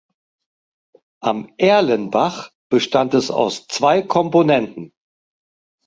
Am Erlenbach bestand es aus zwei Komponenten.